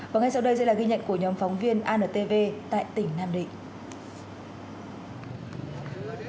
và ngay sau đây sẽ là ghi nhận của nhóm phóng viên antv tại tỉnh nam định